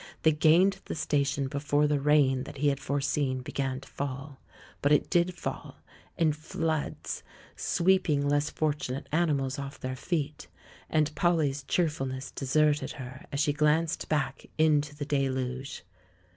They gained the sta tion before the rain that he had foreseen began to fall; but it did fall, in floods — sweeping less fortunate animals off their feet; and Polly's cheerfulness deserted her as she glanced back into the deluge.